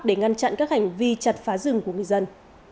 để ngăn chặn các hành vi chặt phá rừng của người dân